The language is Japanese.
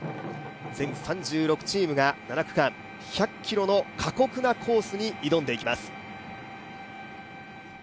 全３６チームが７区間１００ｋｍの過酷なコースに挑んでいきます。